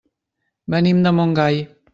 Venim de Montgai.